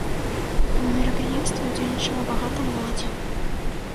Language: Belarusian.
У мерапрыемстве ўдзельнічала багата моладзі.